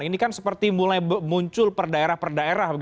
ini kan seperti mulai muncul per daerah per daerah